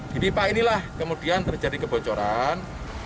di pipa inilah kemudian terjadi kebocoran